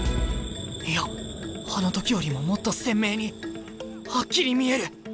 いやあの時よりももっと鮮明にはっきり見える！